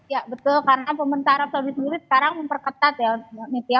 ya betul karena pemerintah arab saudi sekarang memperketat ya